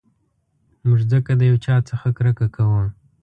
موږ ځکه د یو چا څخه کرکه کوو.